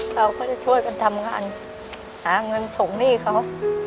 เขาก็จะช่วยกันทำงานหาเงินส่งหนี้เขา